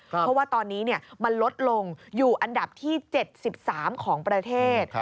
เพราะว่าตอนนี้มันลดลงอยู่อันดับที่๗๓ของประเทศ